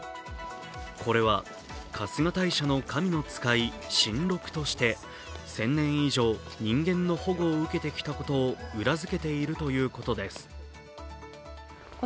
これは春日大社の神の使い神鹿として１０００年以上人間の保護を受けてきたことを裏づけているということです。